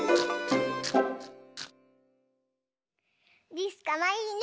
りすかわいいね！